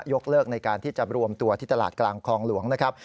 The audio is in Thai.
ยกเลิกในการที่จะรวมตัวที่ตลาดกลางคลองหลวงนะครับ